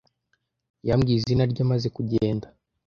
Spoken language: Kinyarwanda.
Yambwiye izina rye amaze kugenda.